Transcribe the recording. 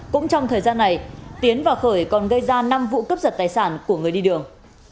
cũng trong thời gian này tiến và khởi còn gây ra năm vụ cướp giật tài sản của người đi đường